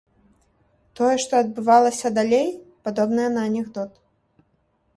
Тое, што адбывалася далей, падобнае на анекдот.